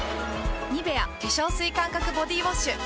「ニベア」化粧水感覚ボディウォッシュ誕生！